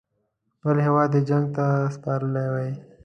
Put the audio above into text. خپل هیواد یې جنګ ته سپارلی وای.